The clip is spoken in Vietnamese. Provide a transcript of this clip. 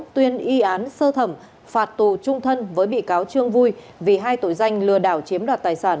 tuyên y án sơ thẩm phạt tù trung thân với bị cáo trương vui vì hai tội danh lừa đảo chiếm đoạt tài sản